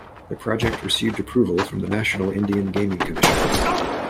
The project received approval from the National Indian Gaming Commission.